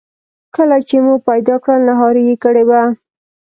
کله چې مو پیدا کړل نهاري یې کړې وه.